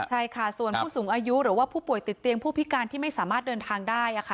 ใช่ค่ะส่วนผู้สูงอายุหรือว่าผู้ป่วยติดเตียงผู้พิการที่ไม่สามารถเดินทางได้ค่ะ